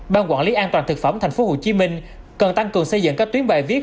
ban quản lý an toàn thực phẩm tp hcm cần tăng cường xây dựng các tuyến bài viết